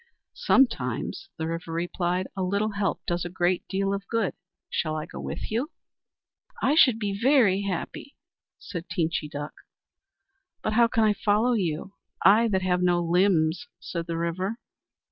"Sometimes," the River replied, "a little help does a great deal of good. Shall I go with you?" "I should be very happy," said Teenchy Duck. "But how can I follow you I that have no limbs?" said the River.